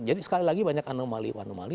jadi sekali lagi banyak anomali anomali